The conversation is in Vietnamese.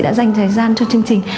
đã dành thời gian cho chương trình